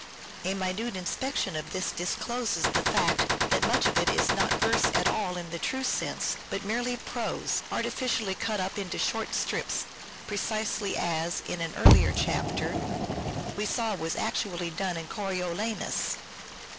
A minute inspection of this discloses the fact that much of it is not verse at all in the true sense, but merely prose, artificially cut up into short strips : precisely as, in an earlier chapter, we saw was actually done in " Coriolanus."